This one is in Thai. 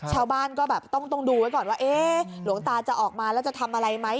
ชาวบ้านก็แบบต้องดูไว้ก่อนว่าเอ๊ะหลวงตาจะออกมาแล้วจะทำอะไรไหม